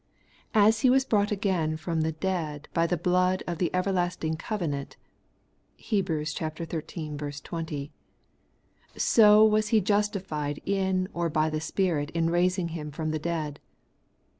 As He was brought again from the dead by the blood of the everlasting covenant (Heb. xiii. 20), so was He justified in or by the Spirit in raising Him from the dead.